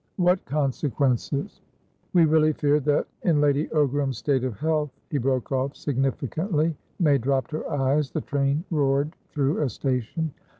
"What consequences?" "We really feared that, in Lady Ogram's state of health" He broke off significantly. May dropped her eyes. The train roared through a station.